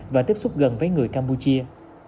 và tiếp xúc gần với người campuchia